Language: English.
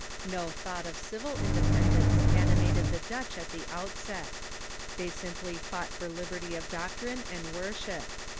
No thought of civil independence animated the Dutch at the outset. They simply fought for liberty of doctrine and worship.